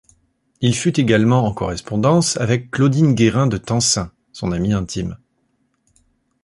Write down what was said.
Il fut également en correspondance avec Claudine Guérin de Tencin, son amie intime.